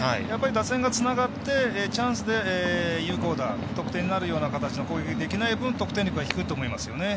打線がつながって、チャンスで有効打得点になるような得点ができない分得点力が低いと思います。